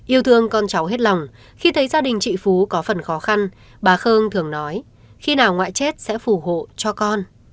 yêu thương con cháu hết lòng khi thấy gia đình trị phú có phần khó khăn bà khơn thường nói khi nào ngoại chết sẽ phù hộ cho con